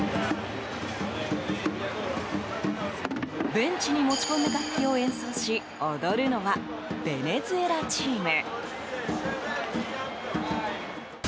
ベンチに持ち込んだ楽器を演奏し、踊るのはベネズエラチーム。